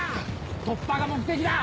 突破が目的だ！